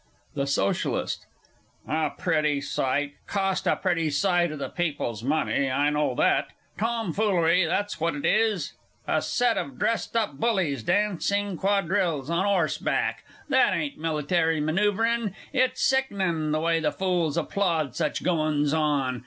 THE SOCIALIST. A pretty sight? Cost a pretty sight o' the People's money, I know that. Tomfoolery, that's what it is; a set of dressed up bullies dancin' quadrilles on 'orseback; that ain't military manoeuvrin'. It's sickenin' the way fools applaud such goin's on.